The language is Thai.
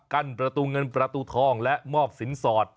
ประตูเงินประตูทองและมอบสินสอด